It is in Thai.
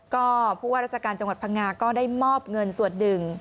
ก็ผู้ว่าราชการจังหวัดพังงาก็ได้มอบเงินส่วนหนึ่ง